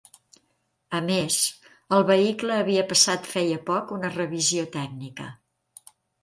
A més, el vehicle havia passat feia poc una revisió tècnica.